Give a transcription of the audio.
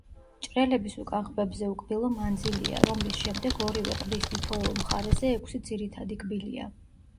მჭრელების უკან ყბებზე უკბილო მანძილია, რომლის შემდეგ ორივე ყბის თითოეულ მხარეზე ექვსი ძირითადი კბილია.